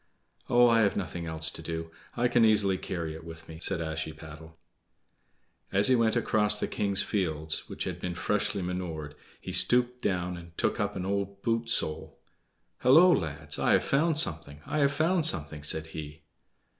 "Oh, I have nothing else to do. I can easily carry it with me," said Ashiepattle. As he went across the king's fields, which had been freshly manured, he stooped down and took up an old boot sole. "Hullo, lads! I have found something! I have found something!" said he.